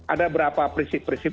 ada berapa prinsip prinsip